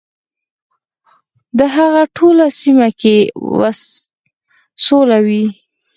د هغه ټوله سیمه کې سوله وي .